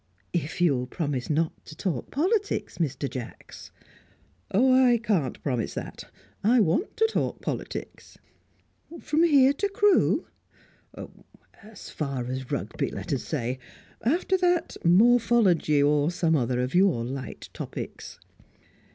"If you will promise not to talk politics, Mr. Jacks." "I can't promise that. I want to talk politics." "From here to Crewe?" "As far as Rugby, let us say. After that morphology, or some other of your light topics."